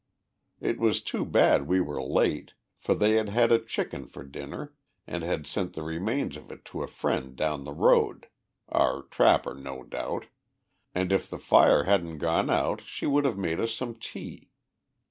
It was too bad we were late, for they had had a chicken for dinner, and had sent the remains of it to a friend down the road, our trapper, no doubt, and if the fire hadn't gone out she would have made us some tea.